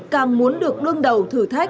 càng muốn được đương đầu thử thách